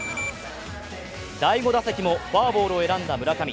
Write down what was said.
第５打席もフォアボールを選んだ村上。